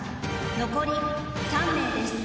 残り３名です。